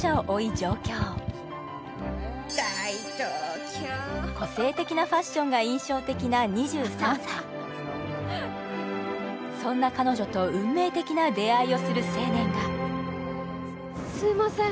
東京個性的なファッションが印象的な２３歳そんな彼女と運命的な出会いをする青年がすいません